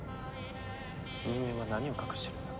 運営は何を隠してるんだ？